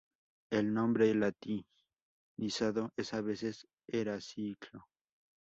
El nombre latinizado es a veces Heraclio.